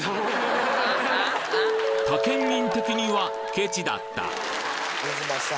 他県民的にはケチだった新妻さん